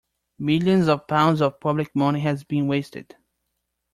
Millions of pounds of public money has been wasted.